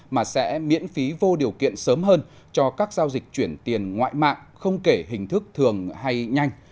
mà sẽ miễn phí vô điều kiện sớm hơn cho các giao dịch chuyển tiền ngoại mạng không kể hình thức thường hay nhanh